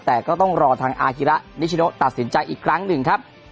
แต่ก็ต้องรอทางอาฮิระนิชโนตัดสินใจอีกครั้งหนึ่งครับ